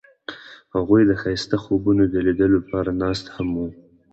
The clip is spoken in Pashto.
هغوی د ښایسته خوبونو د لیدلو لپاره ناست هم وو.